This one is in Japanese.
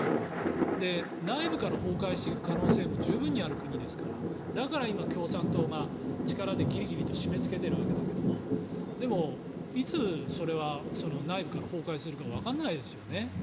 内部から崩壊していく可能性も十分ある国ですからだから今共産党が力でギリギリと締めつけているわけだけどでも、いつそれが内部から崩壊するかわからないですよね。